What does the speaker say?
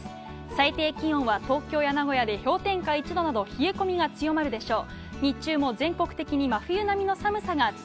最低気温は東京や名古屋で氷点下１度など冷え込みが強まるでしょう。